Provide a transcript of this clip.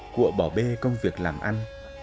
cụa bỏ bê công việc làm ăn